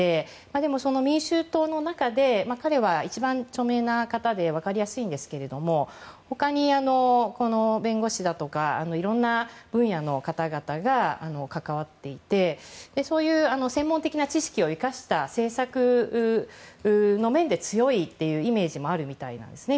でも、民衆党の中で彼は一番著名で分かりやすいんですが他に弁護士だとかいろんな分野の方々が関わっていてそういう専門的な知識を生かした政策の面で強いというイメージもあるみたいですね。